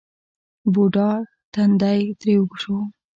بوډا تندی ترېو شو.